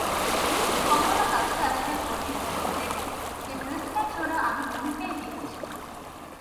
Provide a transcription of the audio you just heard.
কমলা কাছে আসিয়া কহিল, দিদি, এ ব্রেসলেট-জোড়া আমি উমিকেই দিয়াছি।